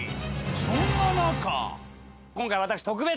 そんな中。